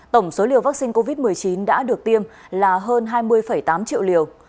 tổng số liều vaccine covid một mươi chín đã được tiêm là hơn hai mươi tám triệu liều